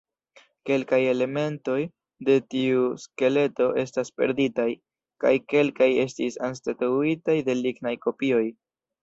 Kelkaj elementoj de tiu skeleto estas perditaj, kaj kelkaj estis anstataŭitaj de lignaj kopioj.